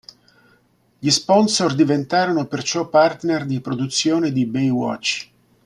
Gli sponsor diventarono perciò partner di produzione di "Baywatch".